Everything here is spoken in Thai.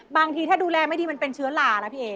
บางทีถ้าดูแลไม่ดีมันเป็นเชื้อลานะพี่เอ๋